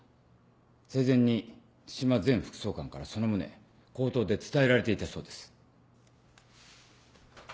生前に津島前副総監からその旨口頭で伝えられていたそうです。